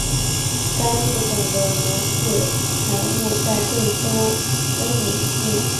该物种的模式产地在贵州威宁县。